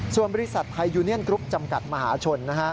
ส่วนบริษัทไทยยูเนียนกรุ๊ปจำกัดมหาชน